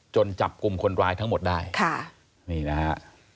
จับกลุ่มคนร้ายทั้งหมดได้ค่ะนี่นะฮะ